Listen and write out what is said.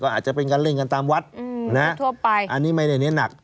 อาจจะเป็นการเล่นกันตามวัดทั่วไปอันนี้ไม่ได้เน้นหนัก